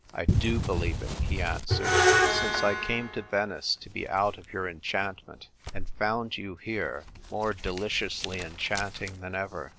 "I do believe it," he answered; "since I came to Venice to be out of your enchant ment, and found you here, more deliciously enchanting than ever.